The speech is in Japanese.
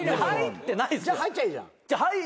じゃあ入っちゃあいいじゃん。